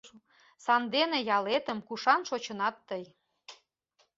Сандене ялетым, кушан шочынат тый